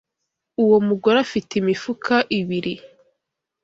Uwo mugore afite imifuka ibiri.